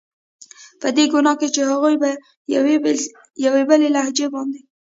په دې ګناه چې هغوی په یوې بېلې لهجې باندې.